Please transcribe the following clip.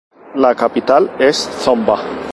La capital es Zomba.